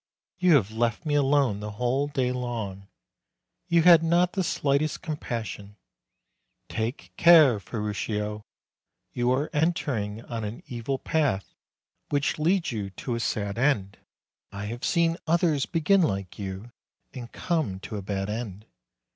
You have left me alone the whole day long. You had not the slightest compassion. Take care, Ferruccio! You are entering on an evil path which leads you to a sad end. I have seen others begin like you, and come to a bad end.